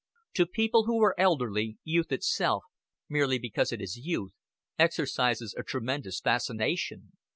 To people who are elderly, youth itself, merely because it is youth, exercises a tremendous fascination.